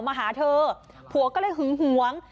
มาหาเธอผัวก็เลยหึงหวง